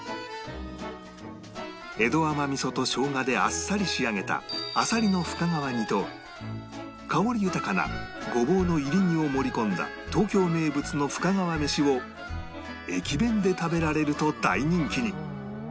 江戸甘味噌と生姜であっさり仕上げたあさりの深川煮と香り豊かなごぼうの炒り煮を盛り込んだ東京名物の深川めしを駅弁で食べられると大人気に